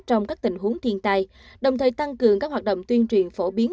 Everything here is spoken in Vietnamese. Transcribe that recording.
trong các tình huống thiên tai đồng thời tăng cường các hoạt động tuyên truyền phổ biến